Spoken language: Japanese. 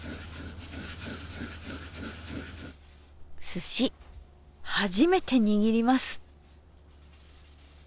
すし初めて握ります。